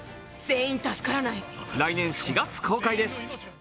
来年４月公開です。